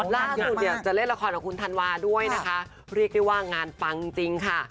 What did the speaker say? ล่าสุดเนี่ยจะเล่นละครกับคุณธันวาด้วยนะคะเรียกได้ว่างานปังจริงค่ะ